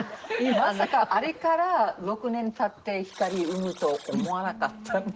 まさかあれから６年経って星産むと思わなかった。